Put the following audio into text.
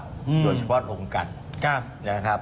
โดยเฉพาะตรงกันนะครับ